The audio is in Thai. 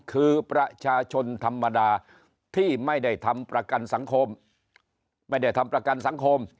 คือประชาชนธรรมดาที่ไม่ได้ทำประกันสังคมไม่ได้ทำประกันสังคม